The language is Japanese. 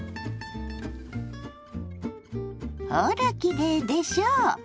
ほらきれいでしょ